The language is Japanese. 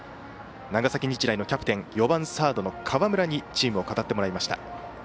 長崎日大のキャプテン４番サードの河村にチームを語ってもらいました。